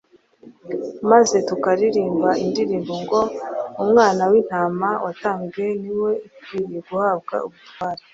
maze tukaririmba indirimbo ngo : «Umwana w' intama watambwe ni we ukwiriye guhabwa ubutware